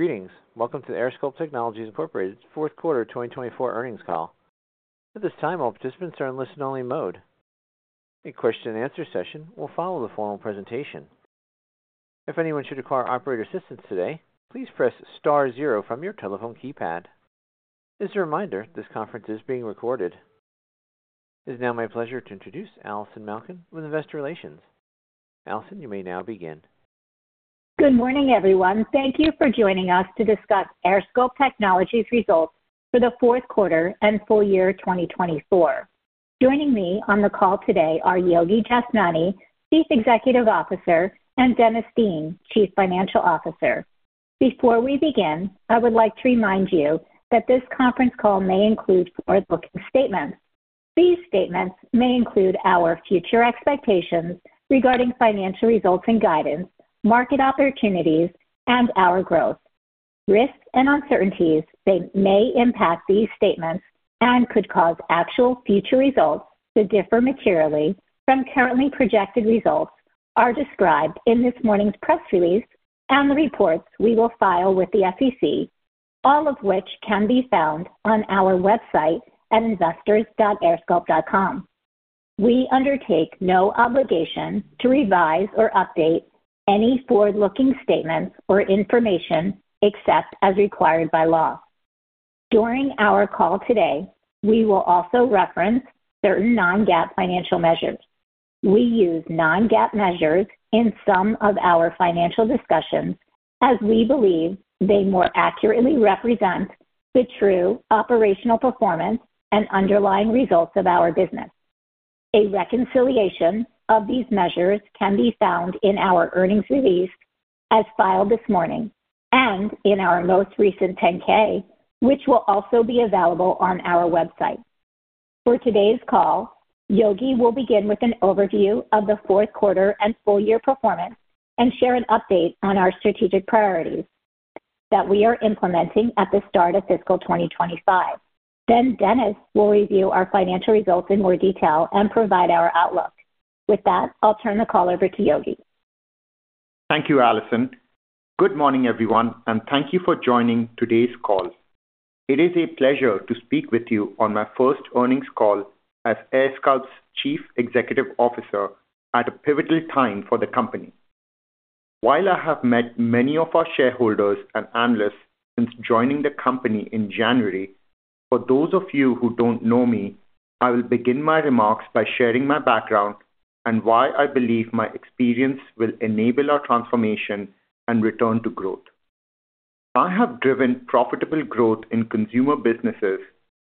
Greetings. Welcome to the AirSculpt Technologies fourth quarter 2024 earnings call. At this time, all participants are in listen-only mode. A question-and-answer session will follow the formal presentation. If anyone should require operator assistance today, please press star zero from your telephone keypad. As a reminder, this conference is being recorded. It is now my pleasure to introduce Allison Malkin with Investor Relations. Allison, you may now begin. Good morning, everyone. Thank you for joining us to discuss AirSculpt Technologies' results for the fourth quarter and full year 2024. Joining me on the call today are Yogesh Jashnani, Chief Executive Officer, and Dennis Dean, Chief Financial Officer. Before we begin, I would like to remind you that this conference call may include forward-looking statements. These statements may include our future expectations regarding financial results and guidance, market opportunities, and our growth. Risks and uncertainties that may impact these statements and could cause actual future results to differ materially from currently projected results are described in this morning's press release and the reports we will file with the SEC, all of which can be found on our website at investors.airsculpt.com. We undertake no obligation to revise or update any forward-looking statements or information except as required by law. During our call today, we will also reference certain non-GAAP financial measures. We use non-GAAP measures in some of our financial discussions as we believe they more accurately represent the true operational performance and underlying results of our business. A reconciliation of these measures can be found in our earnings release as filed this morning and in our most recent 10-K, which will also be available on our website. For today's call, Yogesh will begin with an overview of the fourth quarter and full year performance and share an update on our strategic priorities that we are implementing at the start of fiscal 2025. Dennis will review our financial results in more detail and provide our outlook. With that, I'll turn the call over to Yogi. Thank you, Allison. Good morning, everyone, and thank you for joining today's call. It is a pleasure to speak with you on my first earnings call as AirSculpt's Chief Executive Officer at a pivotal time for the company. While I have met many of our shareholders and analysts since joining the company in January, for those of you who don't know me, I will begin my remarks by sharing my background and why I believe my experience will enable our transformation and return to growth. I have driven profitable growth in consumer businesses,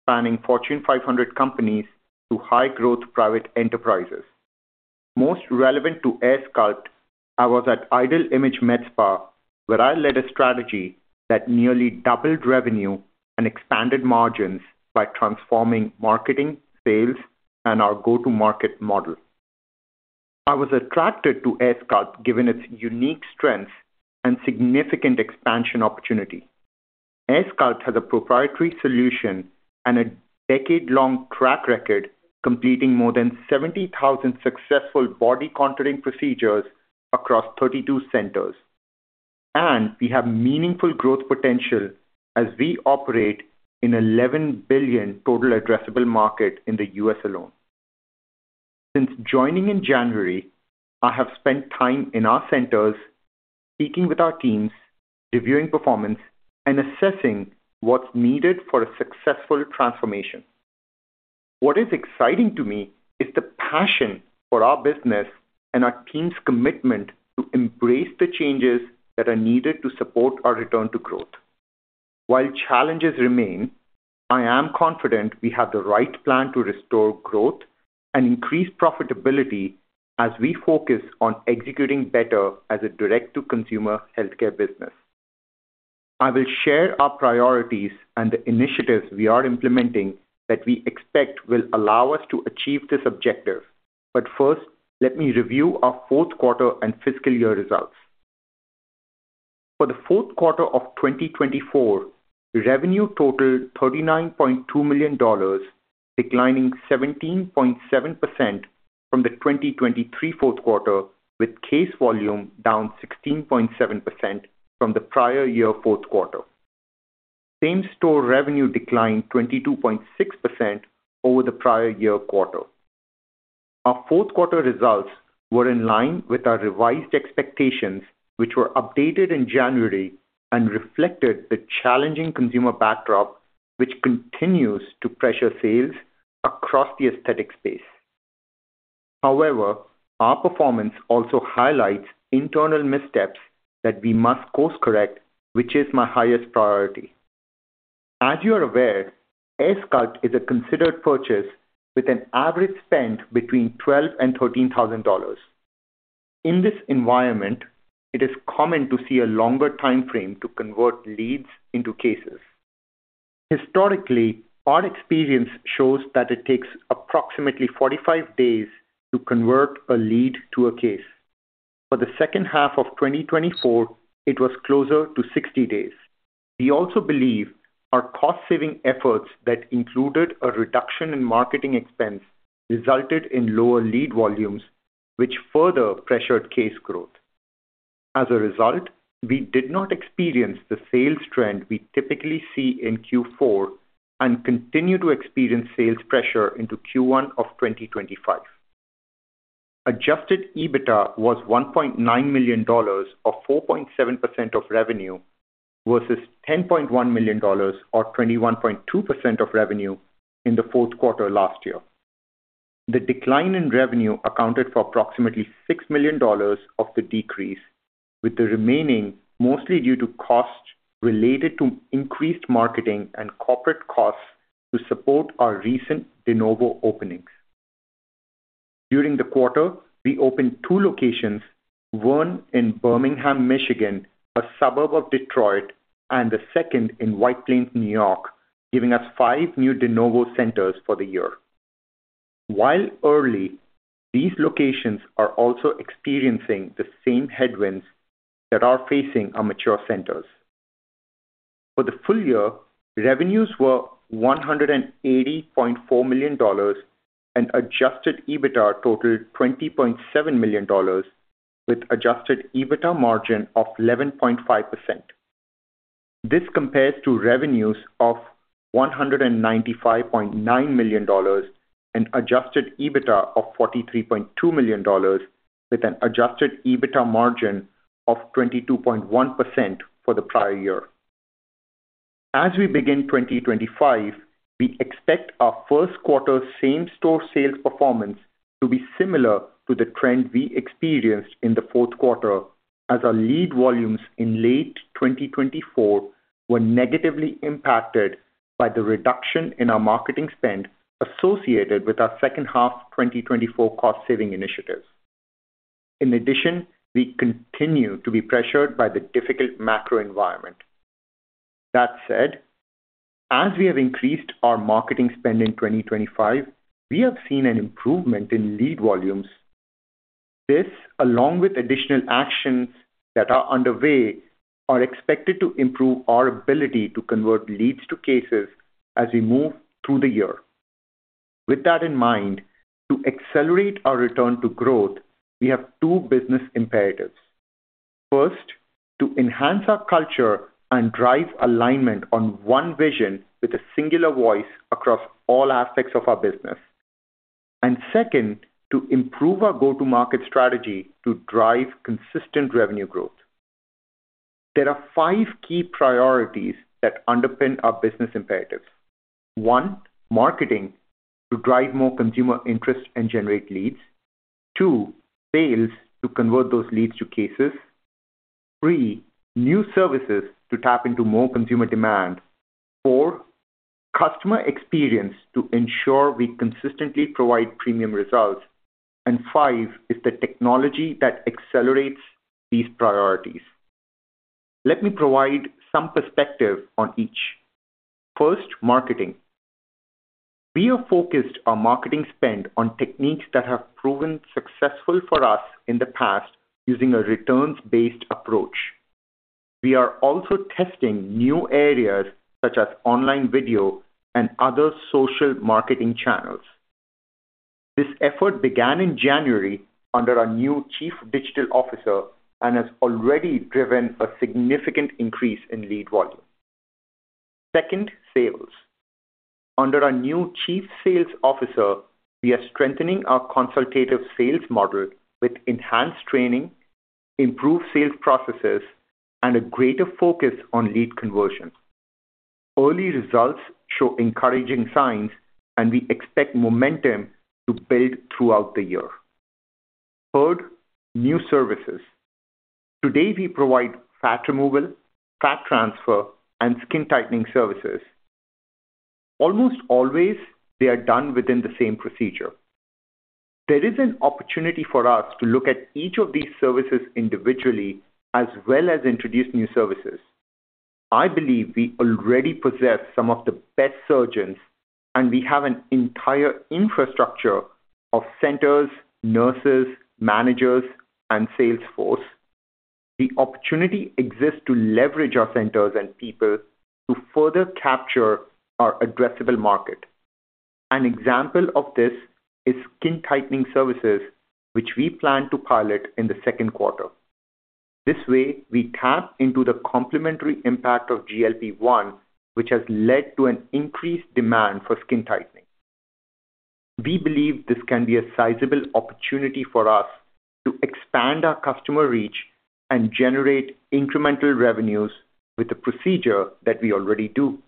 spanning Fortune 500 companies to high-growth private enterprises. Most relevant to AirSculpt, I was at Ideal Image MedSpa, where I led a strategy that nearly doubled revenue and expanded margins by transforming marketing, sales, and our go-to-market model. I was attracted to AirSculpt given its unique strengths and significant expansion opportunity. AirSculpt has a proprietary solution and a decade-long track record, completing more than 70,000 successful body contouring procedures across 32 centers. We have meaningful growth potential as we operate in an $11 billion total addressable market in the U.S. alone. Since joining in January, I have spent time in our centers speaking with our teams, reviewing performance, and assessing what is needed for a successful transformation. What is exciting to me is the passion for our business and our team's commitment to embrace the changes that are needed to support our return to growth. While challenges remain, I am confident we have the right plan to restore growth and increase profitability as we focus on executing better as a direct-to-consumer healthcare business. I will share our priorities and the initiatives we are implementing that we expect will allow us to achieve this objective. Let me review our fourth quarter and fiscal year results. For the fourth quarter of 2024, revenue totaled $39.2 million, declining 17.7% from the 2023 fourth quarter, with case volume down 16.7% from the prior year fourth quarter. Same-store revenue declined 22.6% over the prior year quarter. Our fourth quarter results were in line with our revised expectations, which were updated in January and reflected the challenging consumer backdrop, which continues to pressure sales across the aesthetic space. However, our performance also highlights internal missteps that we must course-correct, which is my highest priority. As you are aware, AirSculpt is a considered purchase with an average spend between $12,000 and $13,000. In this environment, it is common to see a longer time frame to convert leads into cases. Historically, our experience shows that it takes approximately 45 days to convert a lead to a case. For the second half of 2024, it was closer to 60 days. We also believe our cost-saving efforts that included a reduction in marketing expense resulted in lower lead volumes, which further pressured case growth. As a result, we did not experience the sales trend we typically see in Q4 and continue to experience sales pressure into Q1 of 2025. Adjusted EBITDA was $1.9 million, or 4.7% of revenue, versus $10.1 million, or 21.2% of revenue, in the fourth quarter last year. The decline in revenue accounted for approximately $6 million of the decrease, with the remaining mostly due to costs related to increased marketing and corporate costs to support our recent de novo openings. During the quarter, we opened two locations: one in Birmingham, Michigan, a suburb of Detroit, and the second in White Plains, New York, giving us five new de novo centers for the year. While early, these locations are also experiencing the same headwinds that are facing our mature centers. For the full year, revenues were $180.4 million, and adjusted EBITDA totaled $20.7 million, with adjusted EBITDA margin of 11.5%. This compares to revenues of $195.9 million and adjusted EBITDA of $43.2 million, with an adjusted EBITDA margin of 22.1% for the prior year. As we begin 2025, we expect our first quarter same-store sales performance to be similar to the trend we experienced in the fourth quarter, as our lead volumes in late 2024 were negatively impacted by the reduction in our marketing spend associated with our second half 2024 cost-saving initiatives. In addition, we continue to be pressured by the difficult macro environment. That said, as we have increased our marketing spend in 2025, we have seen an improvement in lead volumes. This, along with additional actions that are underway, are expected to improve our ability to convert leads to cases as we move through the year. With that in mind, to accelerate our return to growth, we have two business imperatives. First, to enhance our culture and drive alignment on one vision with a singular voice across all aspects of our business. Second, to improve our go-to-market strategy to drive consistent revenue growth. There are five key priorities that underpin our business imperatives. One, marketing, to drive more consumer interest and generate leads. Two, sales, to convert those leads to cases. Three, new services, to tap into more consumer demand. Four, customer experience, to ensure we consistently provide premium results. Five is the technology that accelerates these priorities. Let me provide some perspective on each. First, marketing. We have focused our marketing spend on techniques that have proven successful for us in the past using a returns-based approach. We are also testing new areas such as online video and other social marketing channels. This effort began in January under our new Chief Digital Officer and has already driven a significant increase in lead volume. Second, sales. Under our new Chief Sales Officer, we are strengthening our consultative sales model with enhanced training, improved sales processes, and a greater focus on lead conversion. Early results show encouraging signs, and we expect momentum to build throughout the year. Third, new services. Today, we provide fat removal, fat transfer, and skin tightening services. Almost always, they are done within the same procedure. There is an opportunity for us to look at each of these services individually as well as introduce new services. I believe we already possess some of the best surgeons, and we have an entire infrastructure of centers, nurses, managers, and sales force. The opportunity exists to leverage our centers and people to further capture our addressable market. An example of this is skin tightening services, which we plan to pilot in the second quarter. This way, we tap into the complementary impact of GLP-1, which has led to an increased demand for skin tightening. We believe this can be a sizable opportunity for us to expand our customer reach and generate incremental revenues with the procedure that we already do.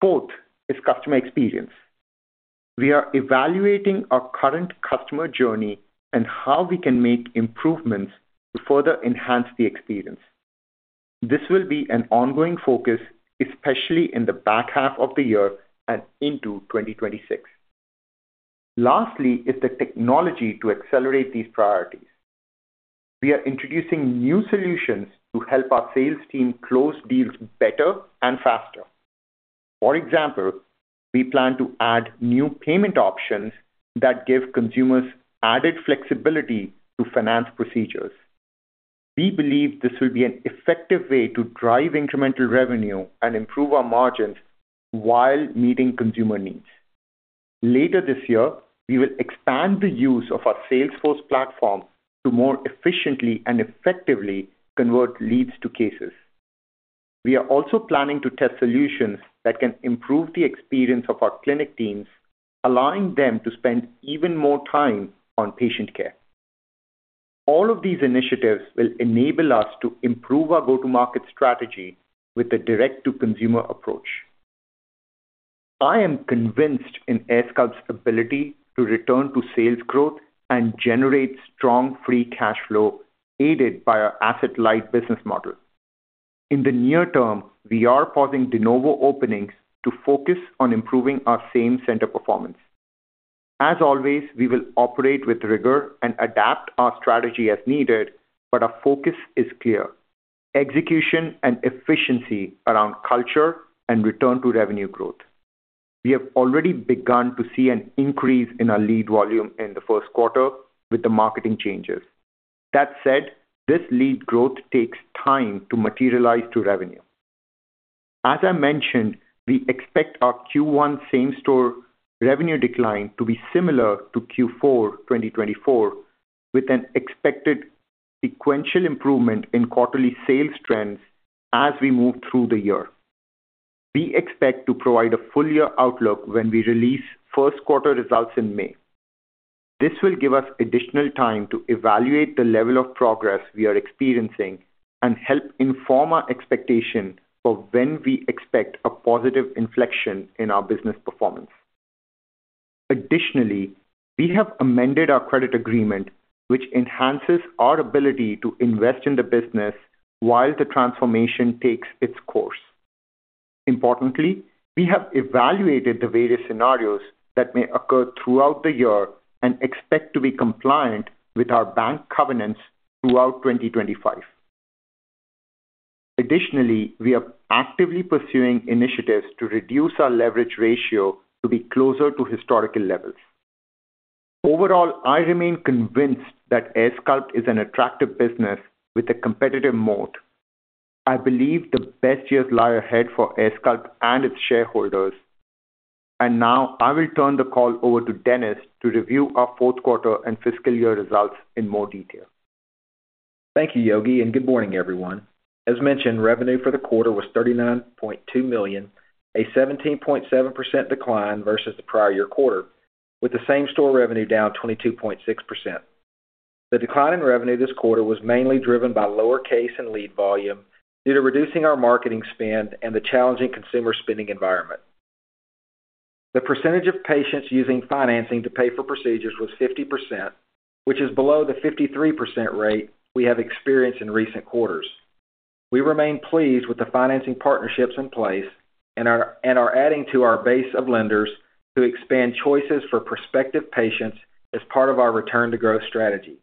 Fourth is customer experience. We are evaluating our current customer journey and how we can make improvements to further enhance the experience. This will be an ongoing focus, especially in the back half of the year and into 2026. Lastly is the technology to accelerate these priorities. We are introducing new solutions to help our sales team close deals better and faster. For example, we plan to add new payment options that give consumers added flexibility to finance procedures. We believe this will be an effective way to drive incremental revenue and improve our margins while meeting consumer needs. Later this year, we will expand the use of our Salesforce platform to more efficiently and effectively convert leads to cases. We are also planning to test solutions that can improve the experience of our clinic teams, allowing them to spend even more time on patient care. All of these initiatives will enable us to improve our go-to-market strategy with the direct-to-consumer approach. I am convinced in AirSculpt's ability to return to sales growth and generate strong free cash flow aided by our asset-light business model. In the near term, we are pausing de novo openings to focus on improving our same-center performance. As always, we will operate with rigor and adapt our strategy as needed, but our focus is clear: execution and efficiency around culture and return to revenue growth. We have already begun to see an increase in our lead volume in the first quarter with the marketing changes. That said, this lead growth takes time to materialize to revenue. As I mentioned, we expect our Q1 same-store revenue decline to be similar to Q4 2024, with an expected sequential improvement in quarterly sales trends as we move through the year. We expect to provide a full-year outlook when we release first-quarter results in May. This will give us additional time to evaluate the level of progress we are experiencing and help inform our expectation for when we expect a positive inflection in our business performance. Additionally, we have amended our credit agreement, which enhances our ability to invest in the business while the transformation takes its course. Importantly, we have evaluated the various scenarios that may occur throughout the year and expect to be compliant with our bank covenants throughout 2025. Additionally, we are actively pursuing initiatives to reduce our leverage ratio to be closer to historical levels. Overall, I remain convinced that AirSculpt is an attractive business with a competitive moat. I believe the best years lie ahead for AirSculpt and its shareholders. I will turn the call over to Dennis to review our fourth quarter and fiscal year results in more detail. Thank you, Yogi, and good morning, everyone. As mentioned, revenue for the quarter was $39.2 million, a 17.7% decline versus the prior year quarter, with the same-store revenue down 22.6%. The decline in revenue this quarter was mainly driven by lower case and lead volume due to reducing our marketing spend and the challenging consumer spending environment. The percentage of patients using financing to pay for procedures was 50%, which is below the 53% rate we have experienced in recent quarters. We remain pleased with the financing partnerships in place and are adding to our base of lenders to expand choices for prospective patients as part of our return-to-growth strategy.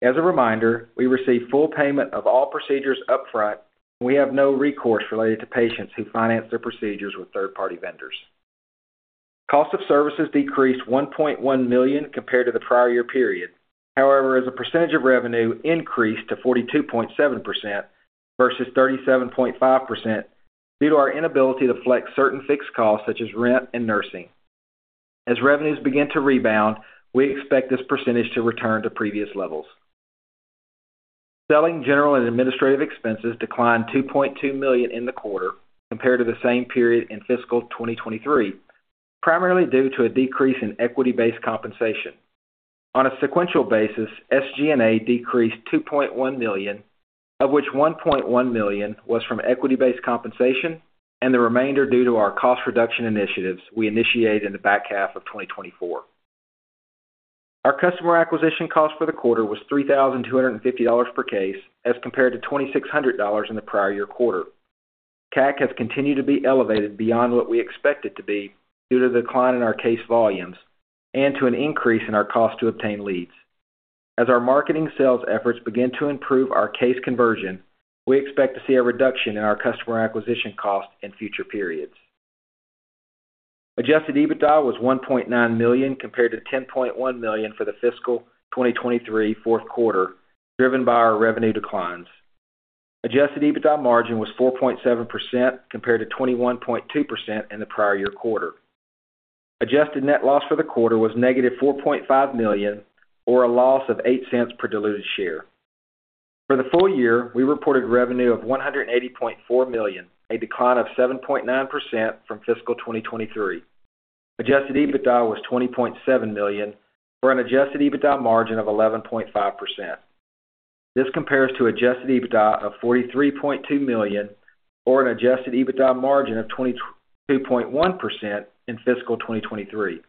As a reminder, we receive full payment of all procedures upfront, and we have no recourse related to patients who finance their procedures with third-party vendors. Cost of services decreased $1.1 million compared to the prior year period. However, as a percentage of revenue, it increased to 42.7% versus 37.5% due to our inability to flex certain fixed costs such as rent and nursing. As revenues begin to rebound, we expect this percentage to return to previous levels. Selling, general and administrative expenses declined $2.2 million in the quarter compared to the same period in fiscal 2023, primarily due to a decrease in equity-based compensation. On a sequential basis, SG&A decreased $2.1 million, of which $1.1 million was from equity-based compensation and the remainder due to our cost reduction initiatives we initiated in the back half of 2024. Our customer acquisition cost for the quarter was $3,250 per case as compared to $2,600 in the prior year quarter. CAC has continued to be elevated beyond what we expected to be due to the decline in our case volumes and to an increase in our cost to obtain leads. As our marketing sales efforts begin to improve our case conversion, we expect to see a reduction in our customer acquisition cost in future periods. Adjusted EBITDA was $1.9 million compared to $10.1 million for the fiscal 2023 fourth quarter, driven by our revenue declines. Adjusted EBITDA margin was 4.7% compared to 21.2% in the prior year quarter. Adjusted net loss for the quarter was negative $4.5 million, or a loss of $0.08 per diluted share. For the full year, we reported revenue of $180.4 million, a decline of 7.9% from fiscal 2023. Adjusted EBITDA was $20.7 million for an adjusted EBITDA margin of 11.5%. This compares to adjusted EBITDA of $43.2 million or an adjusted EBITDA margin of 22.1% in fiscal 2023.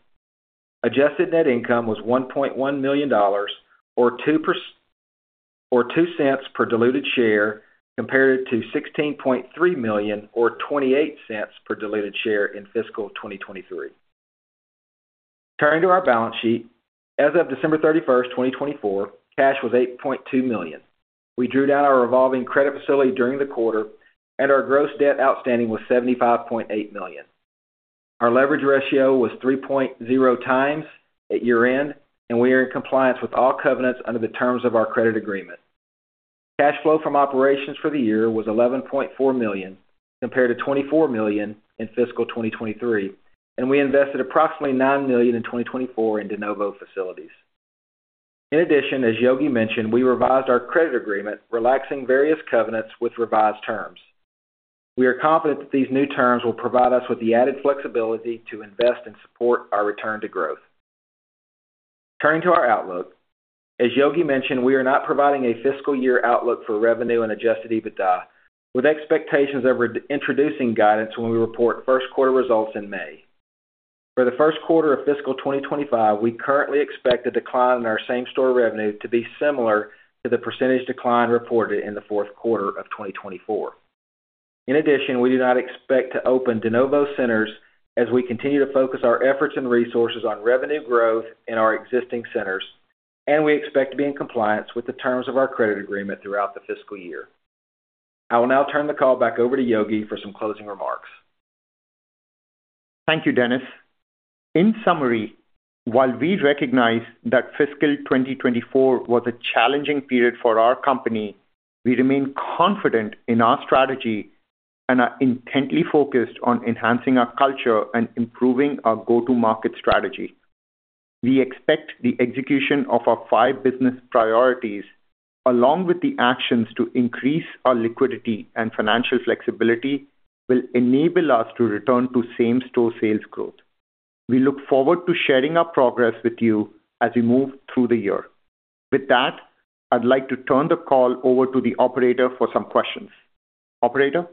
Adjusted net income was $1.1 million, or $0.02 per diluted share, compared to $16.3 million, or $0.28 per diluted share in fiscal 2023. Turning to our balance sheet, as of December 31, 2024, cash was $8.2 million. We drew down our revolving credit facility during the quarter, and our gross debt outstanding was $75.8 million. Our leverage ratio was 3.0x at year-end, and we are in compliance with all covenants under the terms of our credit agreement. Cash flow from operations for the year was $11.4 million, compared to $24 million in fiscal 2023, and we invested approximately $9 million in 2024 in de novo facilities. In addition, as Yogesh mentioned, we revised our credit agreement, relaxing various covenants with revised terms. We are confident that these new terms will provide us with the added flexibility to invest and support our return to growth. Turning to our outlook, as Yogi mentioned, we are not providing a fiscal year outlook for revenue and adjusted EBITDA, with expectations of introducing guidance when we report first-quarter results in May. For the first quarter of fiscal 2025, we currently expect a decline in our same-store revenue to be similar to the percentage decline reported in the fourth quarter of 2024. In addition, we do not expect to open de novo centers as we continue to focus our efforts and resources on revenue growth in our existing centers, and we expect to be in compliance with the terms of our credit agreement throughout the fiscal year. I will now turn the call back over to Yogi for some closing remarks. Thank you, Dennis. In summary, while we recognize that fiscal 2024 was a challenging period for our company, we remain confident in our strategy and are intently focused on enhancing our culture and improving our go-to-market strategy. We expect the execution of our five business priorities, along with the actions to increase our liquidity and financial flexibility, will enable us to return to same-store sales growth. We look forward to sharing our progress with you as we move through the year. With that, I'd like to turn the call over to the operator for some questions. Operator?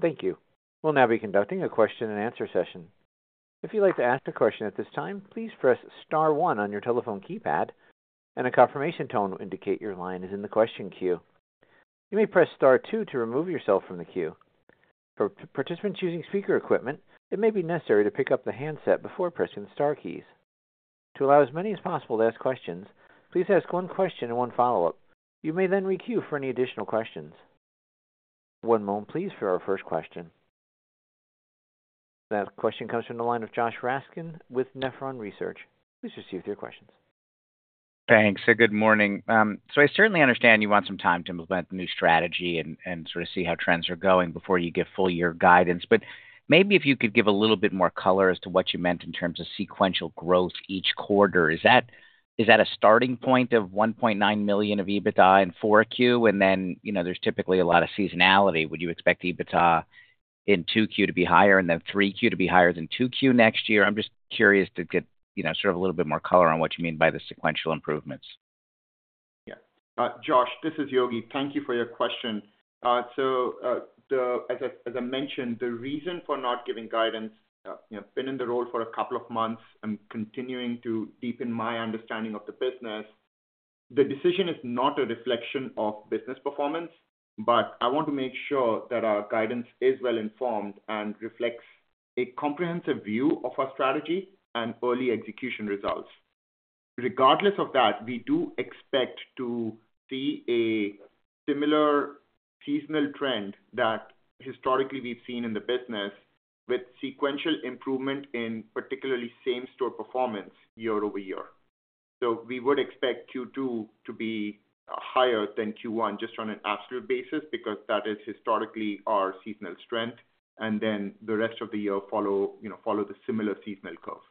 Thank you. We'll now be conducting a question-and-answer session. If you'd like to ask a question at this time, please press star one on your telephone keypad, and a confirmation tone will indicate your line is in the question queue. You may press star two to remove yourself from the queue. For participants using speaker equipment, it may be necessary to pick up the handset before pressing the Star keys. To allow as many as possible to ask questions, please ask one question and one follow-up. You may then re-queue for any additional questions. One moment, please, for our first question. That question comes from the line of Joshua Raskin with Nephron Research. Please proceed with your questions. Thanks. Good morning. I certainly understand you want some time to implement the new strategy and sort of see how trends are going before you give full-year guidance. Maybe if you could give a little bit more color as to what you meant in terms of sequential growth each quarter. Is that a starting point of $1.9 million of EBITDA in Q4, and then there's typically a lot of seasonality? Would you expect EBITDA in 2Q to be higher and then 3Q to be higher than 2Q next year? I'm just curious to get sort of a little bit more color on what you mean by the sequential improvements. Yeah. Joshua, this is Yogesh. Thank you for your question. As I mentioned, the reason for not giving guidance, I've been in the role for a couple of months. I'm continuing to deepen my understanding of the business. The decision is not a reflection of business performance, but I want to make sure that our guidance is well-informed and reflects a comprehensive view of our strategy and early execution results. Regardless of that, we do expect to see a similar seasonal trend that historically we've seen in the business with sequential improvement in particularly same-store performance year-over-year. We would expect Q2 to be higher than Q1 just on an absolute basis because that is historically our seasonal strength, and then the rest of the year follows the similar seasonal curve.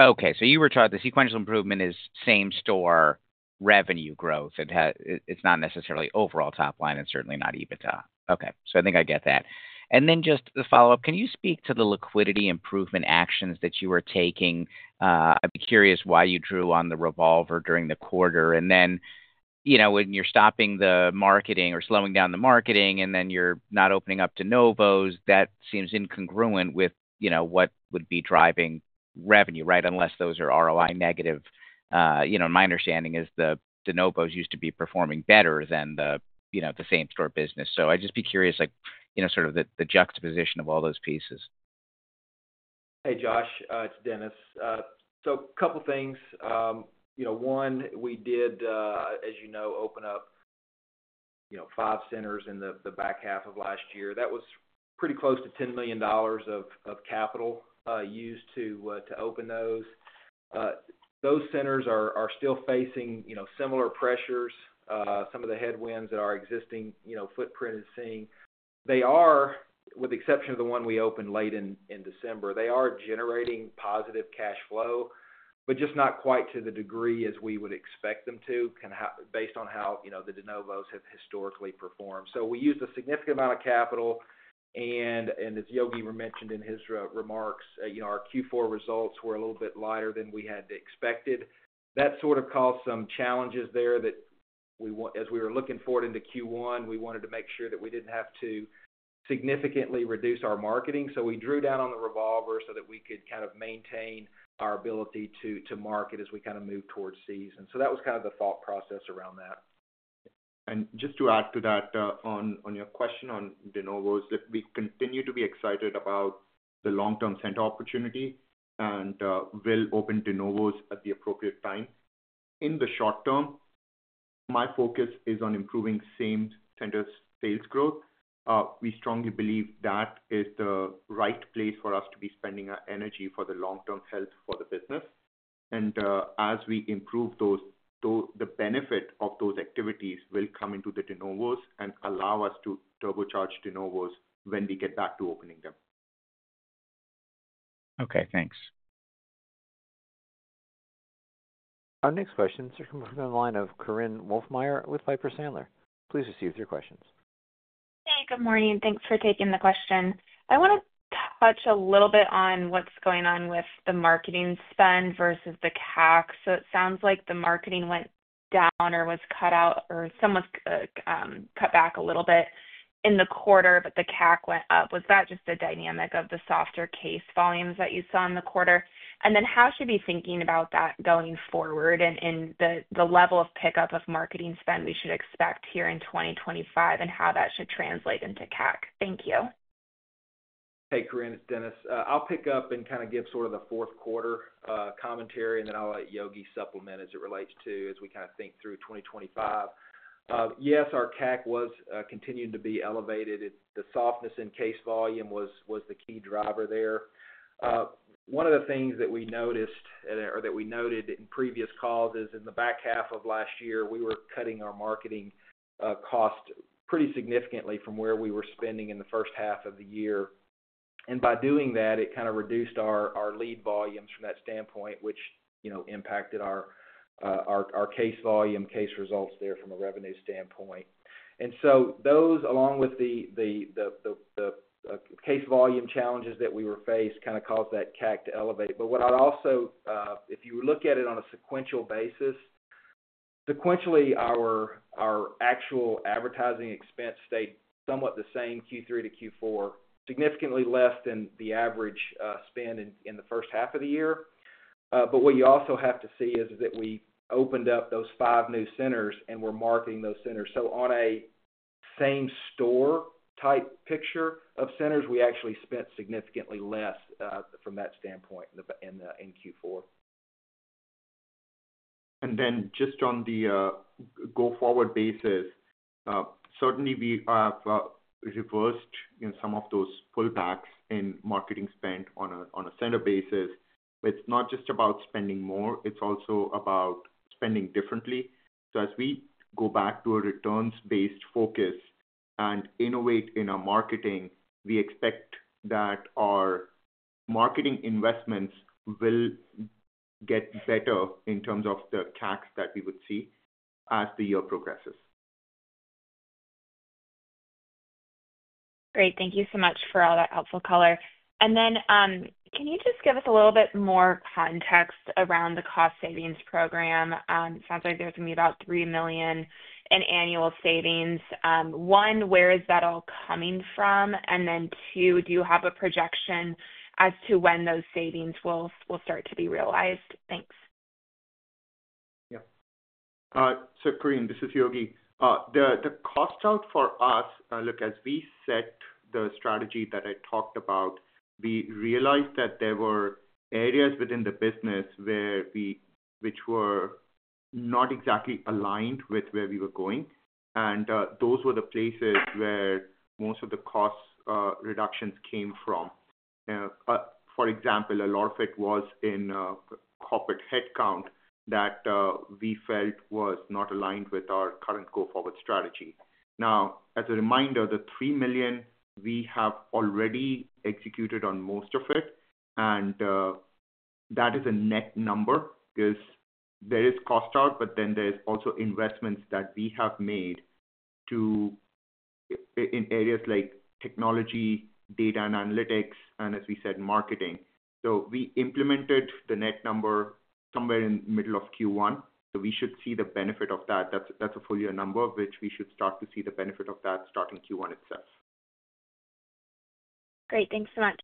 Okay. You were taught the sequential improvement is same-store revenue growth. It's not necessarily overall top line and certainly not EBITDA. Okay. I think I get that. And then just the follow-up, can you speak to the liquidity improvement actions that you were taking? I'd be curious why you drew on the revolver during the quarter. When you're stopping the marketing or slowing down the marketing and then you're not opening up de novos, that seems incongruent with what would be driving revenue, right, unless those are ROI negative. My understanding is the de novos used to be performing better than the same-store business. I'd just be curious sort of the juxtaposition of all those pieces. Hey, Joshua. It's Dennis. A couple of things. One, we did, as you know, open up five centers in the back half of last year. That was pretty close to $10 million of capital used to open those. Those centers are still facing similar pressures. Some of the headwinds that our existing footprint is seeing, they are, with the exception of the one we opened late in December, generating positive cash flow, but just not quite to the degree as we would expect them to based on how the de novos have historically performed. We used a significant amount of capital, and as Yogesh mentioned in his remarks, our Q4 results were a little bit lighter than we had expected. That sort of caused some challenges there that as we were looking forward into Q1, we wanted to make sure that we did not have to significantly reduce our marketing. We drew down on the revolver so that we could kind of maintain our ability to market as we kind of move towards season. That was kind of the thought process around that. Just to add to that on your question on de novos, we continue to be excited about the long-term center opportunity and will open de novos at the appropriate time. In the short term, my focus is on improving same-centers sales growth. We strongly believe that is the right place for us to be spending our energy for the long-term health for the business. As we improve those, the benefit of those activities will come into the de novos and allow us to turbocharge de novos when we get back to opening them. Okay. Thanks. Our next questions are coming from the line of Korinne Wolfmeyer with Piper Sandler. Please proceed with your questions. Hey. Good morning. Thanks for taking the question. I want to touch a little bit on what's going on with the marketing spend versus the CAC. It sounds like the marketing went down or was cut out or some was cut back a little bit in the quarter, but the CAC went up. Was that just the dynamic of the softer case volumes that you saw in the quarter? How should we be thinking about that going forward and the level of pickup of marketing spend we should expect here in 2025 and how that should translate into CAC? Thank you. Hey, Korinne. It's Dennis. I'll pick up and kind of give sort of the fourth quarter commentary, and then I'll let Yogesh supplement as it relates to as we kind of think through 2025. Yes, our CAC was continuing to be elevated. The softness in case volume was the key driver there. One of the things that we noticed or that we noted in previous calls is in the back half of last year, we were cutting our marketing cost pretty significantly from where we were spending in the first half of the year. By doing that, it kind of reduced our lead volumes from that standpoint, which impacted our case volume, case results there from a revenue standpoint. Those, along with the case volume challenges that we were faced, kind of caused that CAC to elevate. If you look at it on a sequential basis, sequentially, our actual advertising expense stayed somewhat the same Q3 to Q4, significantly less than the average spend in the first half of the year. What you also have to see is that we opened up those five new centers and we're marketing those centers. On a same-store type picture of centers, we actually spent significantly less from that standpoint in Q4. Just on the go-forward basis, certainly we have reversed some of those pullbacks in marketing spend on a center basis. But it's not just about spending more. It's also about spending differently. As we go back to a returns-based focus and innovate in our marketing, we expect that our marketing investments will get better in terms of the CAC that we would see as the year progresses. Great. Thank you so much for all that helpful color. Can you just give us a little bit more context around the cost savings program? It sounds like there's going to be about $3 million in annual savings. One, where is that all coming from? Two, do you have a projection as to when those savings will start to be realized? Thanks. Yep. Korinne, this is Yogesh. The cost out for us, look, as we set the strategy that I talked about, we realized that there were areas within the business which were not exactly aligned with where we were going. Those were the places where most of the cost reductions came from. For example, a lot of it was in corporate headcount that we felt was not aligned with our current go-forward strategy. Now, as a reminder, the $3 million, we have already executed on most of it. That is a net number because there is cost out, but then there are also investments that we have made in areas like technology, data and analytics, and as we said, marketing. We implemented the net number somewhere in the middle of Q1. We should see the benefit of that. That's a full-year number, which we should start to see the benefit of that starting Q1 itself. Great. Thanks so much.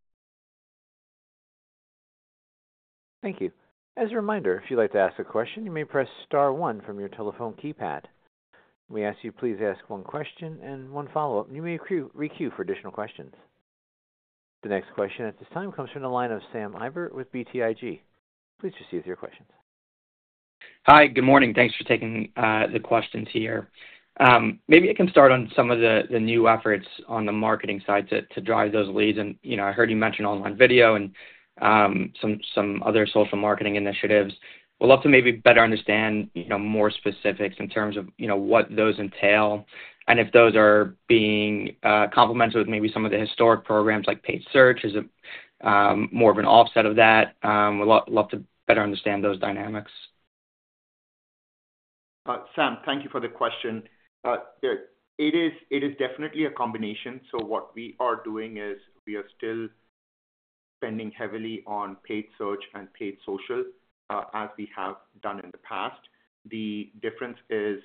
Thank you. As a reminder, if you'd like to ask a question, you may press star one from your telephone keypad. We ask you to please ask one question and one follow-up, and you may re-queue for additional questions. The next question at this time comes from the line of Sam Eiber with BTIG. Please proceed with your questions. Hi. Good morning. Thanks for taking the questions here. Maybe I can start on some of the new efforts on the marketing side to drive those leads. And I heard you mention online video and some other social marketing initiatives. We'd love to maybe better understand more specifics in terms of what those entail and if those are being complemented with maybe some of the historic programs like paid search as more of an offset of that. We'd love to better understand those dynamics. Sam, thank you for the question. It is definitely a combination. What we are doing is we are still spending heavily on paid search and paid social as we have done in the past. The difference is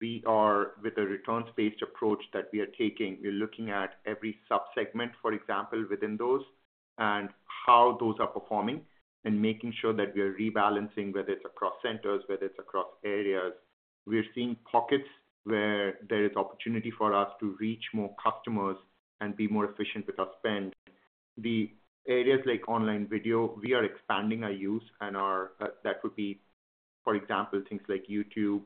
we are with a returns-based approach that we are taking. We're looking at every subsegment, for example, within those and how those are performing and making sure that we are rebalancing whether it's across centers, whether it's across areas. We're seeing pockets where there is opportunity for us to reach more customers and be more efficient with our spend. The areas like online video, we are expanding our use and that would be, for example, things like YouTube.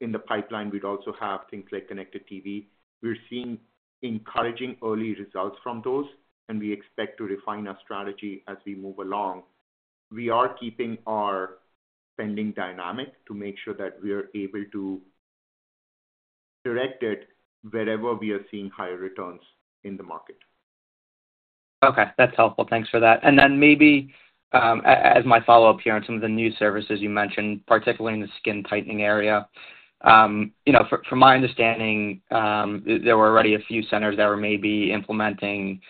In the pipeline, we'd also have things like connected TV. We're seeing encouraging early results from those, and we expect to refine our strategy as we move along. We are keeping our spending dynamic to make sure that we are able to direct it wherever we are seeing higher returns in the market. Okay. That's helpful. Thanks for that. Maybe as my follow-up here on some of the new services you mentioned, particularly in the skin tightening area, from my understanding, there were already a few centers that were maybe implementing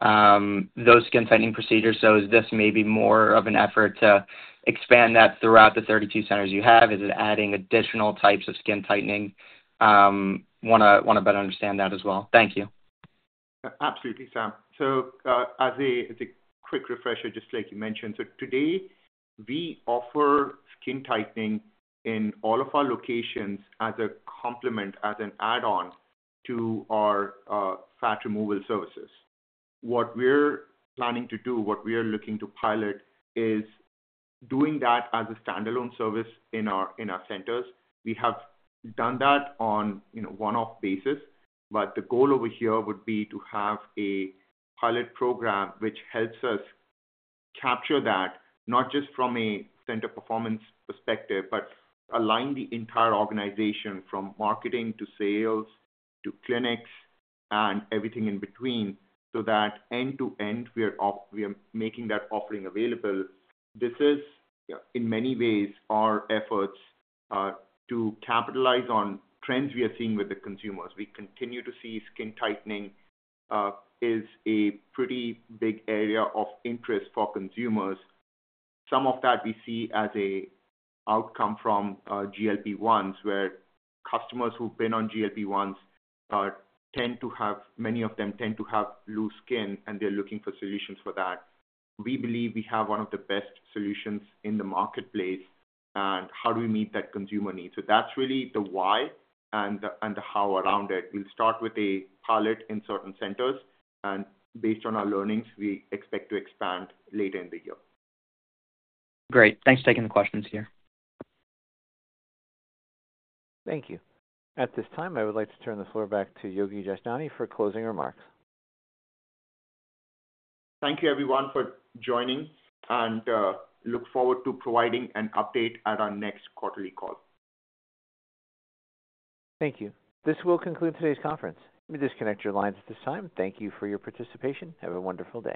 those skin tightening procedures. Is this maybe more of an effort to expand that throughout the 32 centers you have? Is it adding additional types of skin tightening? Want to better understand that as well. Thank you. Absolutely, Sam. As a quick refresher, just like you mentioned, today we offer skin tightening in all of our locations as a complement, as an add-on to our fat removal services. What we are planning to do, what we are looking to pilot, is doing that as a standalone service in our centers. We have done that on a one-off basis, but the goal over here would be to have a pilot program which helps us capture that, not just from a center performance perspective, but align the entire organization from marketing to sales to clinics and everything in between so that end-to-end we are making that offering available. This is, in many ways, our efforts to capitalize on trends we are seeing with the consumers. We continue to see skin tightening is a pretty big area of interest for consumers. Some of that we see as an outcome from GLP-1s where customers who've been on GLP-1s tend to have, many of them tend to have loose skin, and they're looking for solutions for that. We believe we have one of the best solutions in the marketplace, and how do we meet that consumer need? That's really the why and the how around it. We'll start with a pilot in certain centers, and based on our learnings, we expect to expand later in the year. Great. Thanks for taking the questions here. Thank you. At this time, I would like to turn the floor back to Yogesh Jashnani for closing remarks. Thank you, everyone, for joining, and look forward to providing an update at our next quarterly call. Thank you. This will conclude today's conference. Let me disconnect your lines at this time. Thank you for your participation. Have a wonderful day.